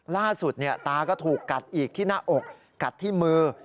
ล่าสุดตาก็ถูกกัดอีกที่หน้าอกกัดที่มือ